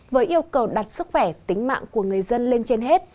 với yêu cầu đặt sức khỏe tính mạng của người dân lên trên hết